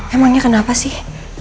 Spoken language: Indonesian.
emangnya kenapa sih